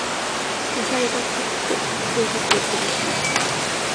野菜が高くて生活が苦しい